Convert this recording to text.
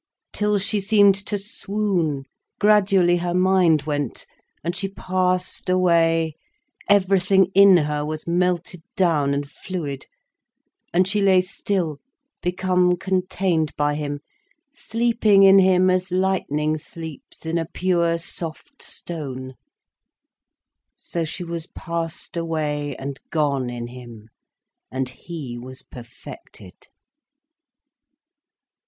Till she seemed to swoon, gradually her mind went, and she passed away, everything in her was melted down and fluid, and she lay still, become contained by him, sleeping in him as lightning sleeps in a pure, soft stone. So she was passed away and gone in him, and he was perfected.